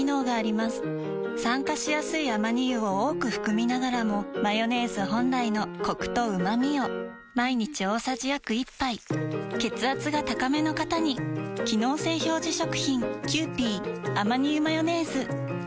酸化しやすいアマニ油を多く含みながらもマヨネーズ本来のコクとうまみを毎日大さじ約１杯血圧が高めの方に機能性表示食品菊池）